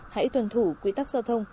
hãy tuần thủ quy tắc giao thông